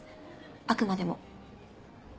あくまでも。